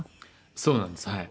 そうなんですはい。